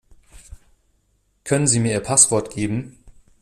Können sie mir ihr Passwort geben?